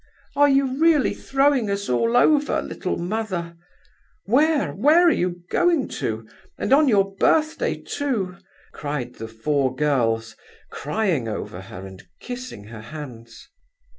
"Are you really throwing us all over, little mother? Where, where are you going to? And on your birthday, too!" cried the four girls, crying over her and kissing her hands.